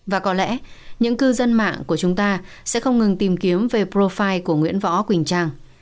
và có lẽ những cư dân mạng của chúng ta sẽ không ngừng tìm kiếm về profi của nguyễn võ quỳnh trang